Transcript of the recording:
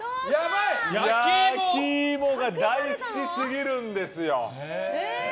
焼き芋が大好きすぎるんですよ。